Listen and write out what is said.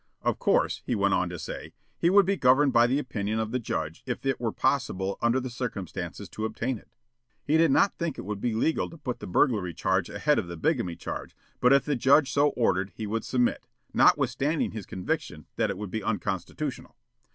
Of course, he went on to say, he would be governed by the opinion of the judge if it were possible under the circumstances to obtain it. He did not think it would be legal to put the burglary charge ahead of the bigamy charge, but if the judge so ordered he would submit, notwithstanding his conviction that it would be unconstitutional.